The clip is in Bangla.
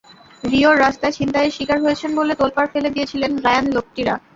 রিওর রাস্তায় ছিনতাইয়ের শিকার হয়েছেন বলে তোলপাড় ফেলে দিয়েছিলেন রায়ান লোক্টিরা।